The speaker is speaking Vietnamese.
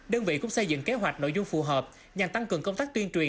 đơn vị cũng xây dựng kế hoạch nội dung phù hợp nhằm tăng cường công tác tuyên truyền